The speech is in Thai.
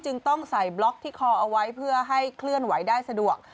จึงต้องใส่บล็อกที่คอเอาไว้เพื่อให้เคลื่อนไหวได้สะดวก